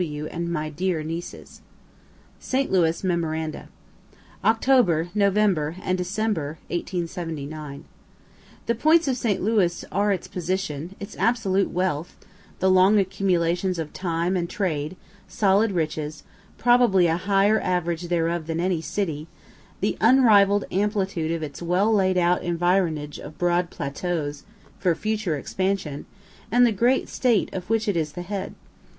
W., and my dear nieces. ST. LOUIS MEMORANDA Oct., Nov., and Dec., '79. The points of St. Louis are its position, its absolute wealth, (the long accumulations of time and trade, solid riches, probably a higher average thereof than any city,) the unrivall'd amplitude of its well laid out environage of broad plateaus, for future expansion and the great State of which it is the head.